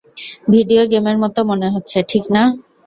Video গেমের মতো মনে হচ্ছে, ঠিক না?